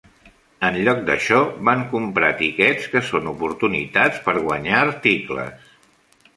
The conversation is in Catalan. En lloc d'això, van comprar tiquets, que són oportunitats per guanyar articles.